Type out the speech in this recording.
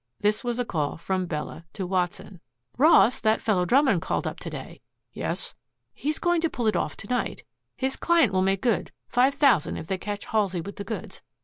This was a call from Bella to Watson. "Ross, that fellow Drummond called up to day." "Yes?" "He is going to pull it off to night. His client will make good five thousand if they catch Halsey with the goods.